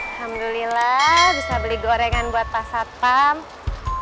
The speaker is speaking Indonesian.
alhamdulillah bisa beli gorengan buat pak satpam